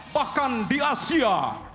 bahkan di asia